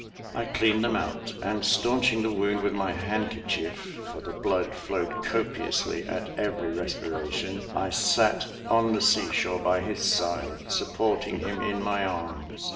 I cleaned them out; and, staunching the wound with my handkerchief, for the blood flowed copiously at every respiration, I sat on the sea shore by his side, supporting him in my arms.